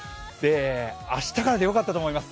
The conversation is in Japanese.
明日からでよかったと思います。